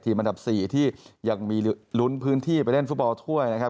อันดับ๔ที่ยังมีลุ้นพื้นที่ไปเล่นฟุตบอลถ้วยนะครับ